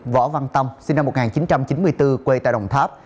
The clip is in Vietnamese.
võ văn tâm sinh năm một nghìn chín trăm chín mươi bốn quê tại đồng tháp